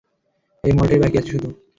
এই মলটাই বাকি আছে শুধু।